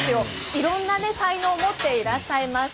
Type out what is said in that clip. いろんな才能を持っていらっしゃいます。